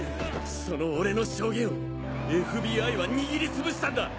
その俺の証言をＦＢＩは握りつぶしたんだ！